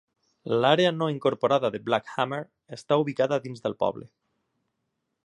L'àrea no incorporada de Black Hammer està ubicada dins del poble.